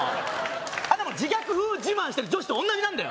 あんなもん自虐風自慢してる女子と同じなんだよ